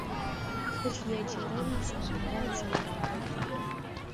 Тхылъ еджэрэм шӀэныгъэ зэрегъэгъоты.